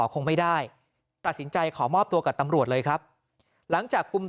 คงไม่ได้ตัดสินใจขอมอบตัวกับตำรวจเลยครับหลังจากคุม